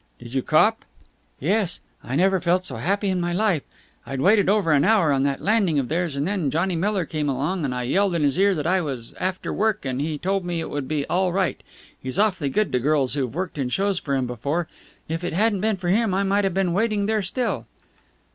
"Did you cop?" "Yes. I never felt so happy in my life. I'd waited over an hour on that landing of theirs, and then Johnny Miller came along, and I yelled in his ear that I was after work, and he told me it would be all right. He's awfully good to girls who've worked in shows for him before. If it hadn't been for him I might have been waiting there still."